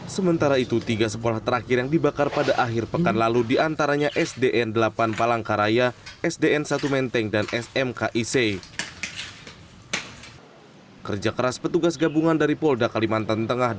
sementara itu tiga sekolah terakhir yang dibakar adalah sekolah dasar negeri empat menteng palangkaraya kalimantan tengah